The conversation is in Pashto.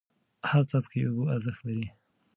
هر څاڅکی اوبه ارزښت لري.